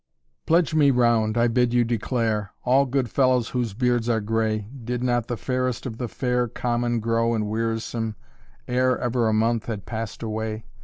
"Pledge me round, I bid you declare, All good fellows whose beards are gray, Did not the fairest of the fair Common grow and wearisome, ere Ever a month had passed away?